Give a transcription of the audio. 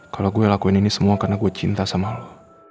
kalau gue lakuin ini semua karena gue cinta sama lo